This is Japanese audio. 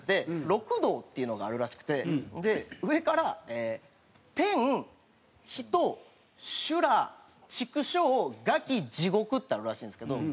六道っていうのがあるらしくて上から天人修羅畜生餓鬼地獄ってあるらしいんですけど。